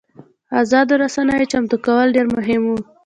ازادو رسنیو چمتو کول ډېر مهم وو.